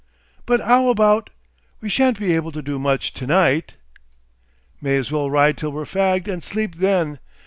"But 'ow about We shan't be able to do much to night." "May as well ride till we're fagged and sleep then.